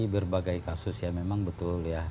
berbagai kasus ya memang betul ya